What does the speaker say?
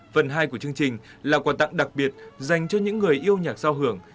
phần hai của chương trình là quà tặng đặc biệt dành cho những người yêu nhạc giao hưởng